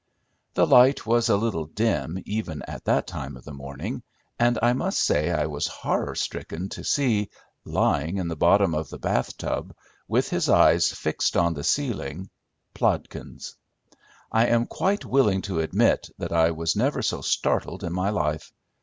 The light was a little dim even at that time of the morning, and I must say I was horror stricken to see, lying in the bottom of the bath tub, with his eyes fixed on the ceiling, Plodkins. I am quite willing to admit that I was never so startled in my life.